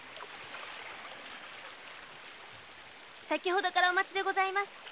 先ほどからお待ちでございます。